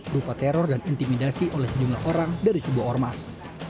berupa teror dan intimidasi oleh sejumlah orang dari sebuah ormas